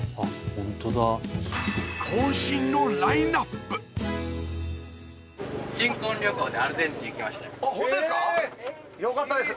こん身のラインアップよかったです